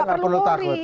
nggak perlu takut